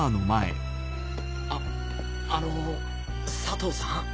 ああの佐藤さん。